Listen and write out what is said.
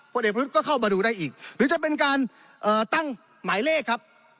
เด็กประยุทธ์ก็เข้ามาดูได้อีกหรือจะเป็นการตั้งหมายเลขครับ